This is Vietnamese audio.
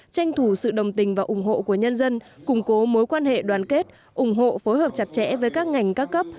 tranh thủ sự đồng tình và ủng hộ của nhân dân củng cố mối quan hệ đoàn kết ủng hộ phối hợp chặt chẽ với các ngành các cấp